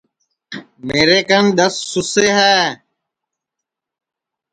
میر کن دؔس سُسے ہے